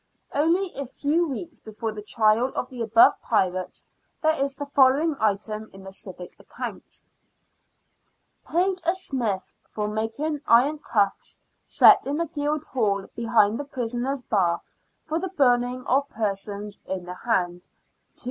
Only a few weeks before the trial of the above pirates there is the following item in the civic accounts :—" Paid a smith for making iron cuffs, set in the Guildhall behind the prisoners' bar, for the burning of persons in the hand, 2s.